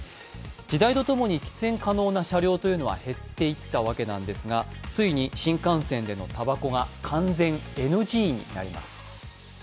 時代と共に喫煙可能な車両というのは減っていったわけなんですがついに新幹線でのたばこが完全ＮＧになります。